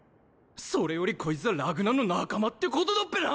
それよりこいつはラグナの仲間ってことだっぺなぁ